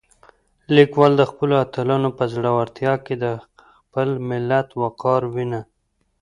لیکوال د خپلو اتلانو په زړورتیا کې د خپل ملت وقار وینه.